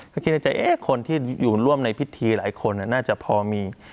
ก็คิดในใจคนที่อยู่ร่วมในพิธีหลายคนน่าจะพอมี